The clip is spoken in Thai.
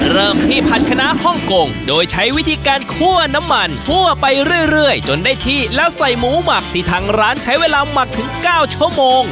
เริ่มที่ผัดคณะฮ่องกงโดยใช้วิธีการคั่วน้ำมันคั่วไปเรื่อยจนได้ที่แล้วใส่หมูหมักที่ทางร้านใช้เวลาหมักถึง๙ชั่วโมง